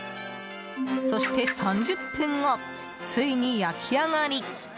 そして３０分後ついに焼き上がり。